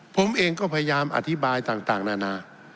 ผมเองก็พยายามอธิบายต่างนานา